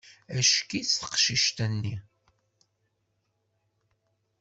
Acki-tt teqcict-nni!